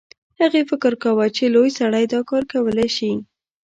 هغې فکر کاوه چې لوی سړی دا کار کولی شي